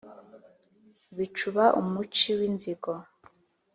bicuba, umuci w’inzigo